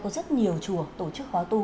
có rất nhiều chùa tổ chức khóa tu